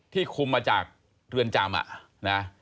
ที่คุมมาจากเรือนจำ